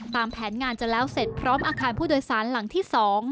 แผนงานจะแล้วเสร็จพร้อมอาคารผู้โดยสารหลังที่๒